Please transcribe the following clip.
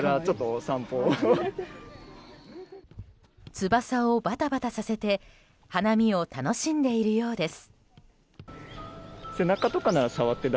翼をバタバタさせて花見を楽しんでいるようです。